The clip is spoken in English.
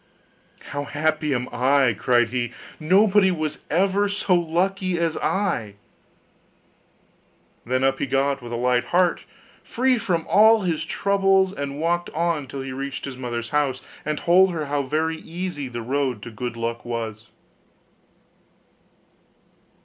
'How happy am I!' cried he; 'nobody was ever so lucky as I.' Then up he got with a light heart, free from all his troubles, and walked on till he reached his mother's house, and told her how very easy the road to good luck was.